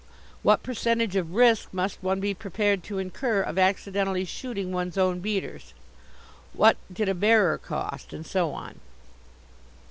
What percentage of risk must one be prepared to incur of accidentally shooting one's own beaters? What did a bearer cost? and so on.